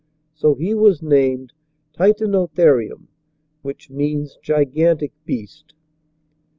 So he was named Titano therium, which means Gigantic Beast.